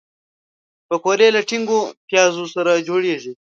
پکورې له ټینګو پیازو سره جوړیږي